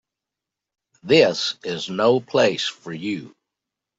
This is no place for you.